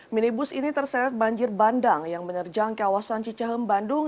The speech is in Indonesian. minibus ini terseret banjir bandang yang menerjang kawasan cicahem bandung